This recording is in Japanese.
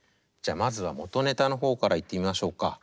じゃまずは元ネタの方からいってみましょうか。